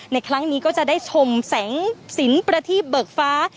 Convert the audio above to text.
ในครั้งนี้ก็จะได้ชมแสงสินประทีบเบิกฟ้า